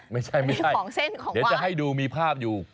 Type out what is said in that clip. ไม่ใช่จะให้ดูมีภาพอยู่